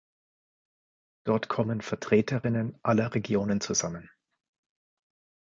Dort kommen Vertreterinnen aller Regionen zusammen.